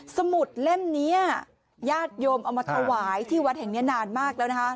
สมุดเล่มนี้ญาติโยมเอามาถวายที่วัดแห่งนี้นานมากแล้วนะคะ